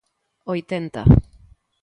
Oitenta.